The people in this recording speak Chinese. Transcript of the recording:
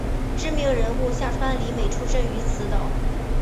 知名人物夏川里美出身于此岛。